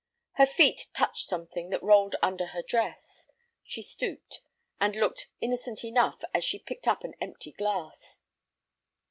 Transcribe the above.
Her feet touched something that rolled under her dress. She stooped, and looked innocent enough as she picked up an empty glass.